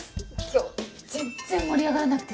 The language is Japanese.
今日全然盛り上がらなくてさ。